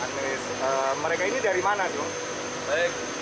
mereka ini dari mana